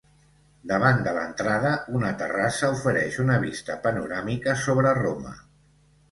Davant de l'entrada, una terrassa ofereix una vista panoràmica sobre Roma.